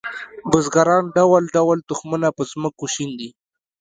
بزګران ډول ډول تخمونه په ځمکو شیندي